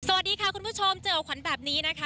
สวัสดีค่ะคุณผู้ชมเจอขวัญแบบนี้นะคะ